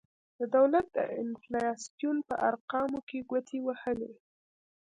د دولت د انفلاسیون په ارقامو کې ګوتې وهلي.